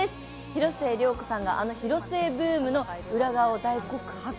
広末涼子さんがあのヒロスエブームの裏側を大告白。